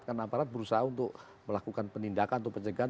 karena aparat berusaha untuk melakukan penindakan atau pencegahan